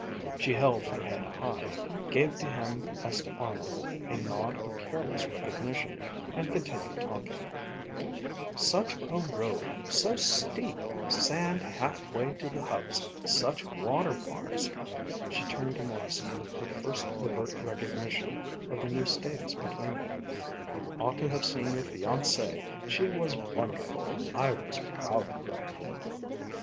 She held her head high, gave to him as to Arnold a nod of careless recognition, and continued talking: "Such a road so steep sand half way to the hubs, such water bars!" She turned to Morrison with her first overt recognition of the new status between them. "You ought to have seen your fiancée! She was wonderful! I was proud of her!"